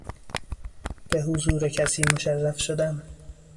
به حضور کسی مشرف شدن